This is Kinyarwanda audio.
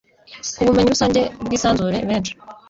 ku bumenyi rusange bw'isanzure benshi